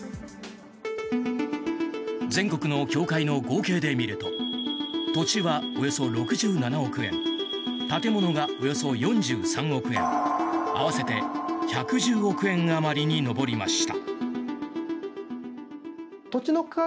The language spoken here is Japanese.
全国の教会の合計で見ると土地はおよそ６７億円建物がおよそ４３億円合わせて１１０億円あまりに上りました。